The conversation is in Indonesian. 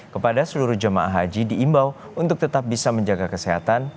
kepada seluruh jemaah haji diimbau untuk tetap bisa menjaga kesehatan